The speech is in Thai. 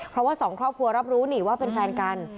เพราะว่าสองครอบครัวรับรู้นี่ว่าเป็นแฟนกัน